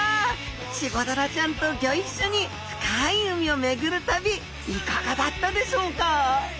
チゴダラちゃんとギョ一緒に深い海を巡る旅いかがだったでしょうか？